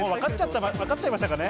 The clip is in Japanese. わかっちゃいましたかね？